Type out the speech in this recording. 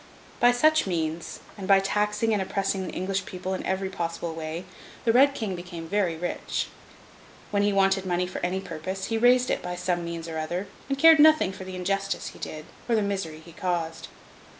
By such means, and by taxing and oppressing the English people in every possible way, the Red King became very rich. When he wanted money for any purpose, he raised it by some means or other, and cared nothing for the injustice he did, or the misery he caused.